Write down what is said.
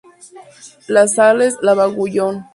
Les Salles-Lavauguyon